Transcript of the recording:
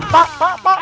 pak pak pak